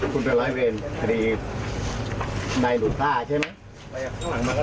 คุณเป็นร้อยเวรคดีในหลุดผ้าใช่ไหม